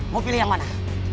mau pilih yang mana